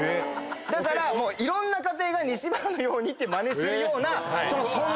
だからいろんな家庭が西村のようにってまねするような存在だったと。